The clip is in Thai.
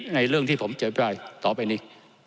ในเรื่องที่ผมเจอไปต่อไปนี้